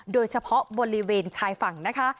โดยเฉพาะบริเวณชายฝั่งนะคะ